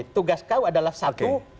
tugas kau adalah satu